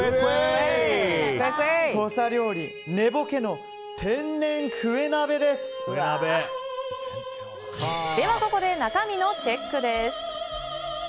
土佐料理祢保希のではここで中身のチェックです。